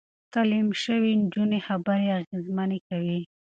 تعليم شوې نجونې خبرې اغېزمنې کوي.